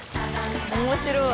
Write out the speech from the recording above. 面白い。